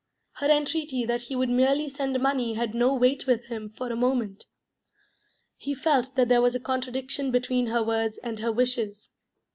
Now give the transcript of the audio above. Her entreaty that he would merely send money had no weight with him for a moment; he felt that there was a contradiction between her words and her wishes.